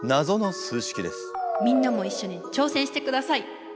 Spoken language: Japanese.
みんなもいっしょに挑戦してください！